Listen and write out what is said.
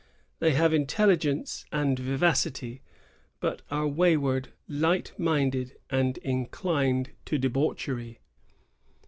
They have intelligence and vivacity, but are wayward, light minded, and inclined to debauchery."